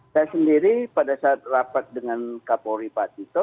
saya sendiri pada saat rapat dengan kapolri pak tito